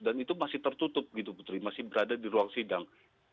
dan itu masih tertutup putri masih berada di ruang sidang